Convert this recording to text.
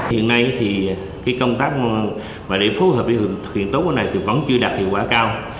hôm nay công tác để phối hợp với điều khiển tốt vẫn chưa đạt hiệu quả cao